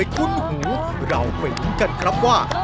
ถูกครับ